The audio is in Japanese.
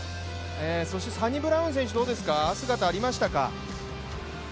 サニブラウン選手、どうですか、姿はありましたか？